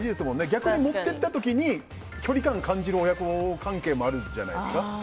逆に、持って行ったときに距離感を感じる親子関係もあるんじゃないですか？